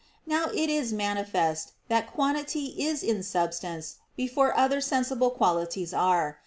Now it is manifest that quantity is in substance before other sensible qualities are.